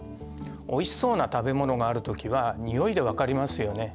おいしそうな食べ物がある時はにおいで分かりますよね？